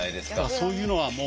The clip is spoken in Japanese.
そういうのはもう。